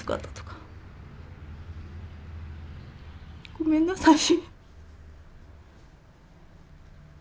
ごめんなさい。